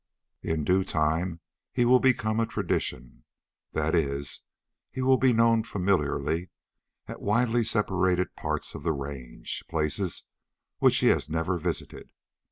In due time he will become a tradition. That is, he will be known familiarly at widely separated parts of the range, places which he has never visited.